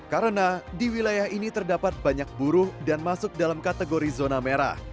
karena di wilayah ini terdapat banyak buruh dan masuk dalam kategori zona merah